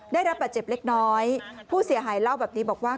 ได้รับบาดเจ็บเล็กน้อยผู้เสียหายเล่าแบบนี้บอกว่า